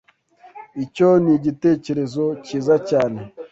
Icyo ni igitekerezo cyiza cyane.